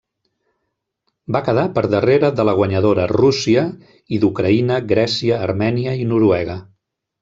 Va quedar per darrere de la guanyadora, Rússia, i d'Ucraïna, Grècia, Armènia i Noruega.